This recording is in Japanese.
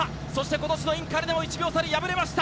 今年のインカレでも１秒差で敗れました。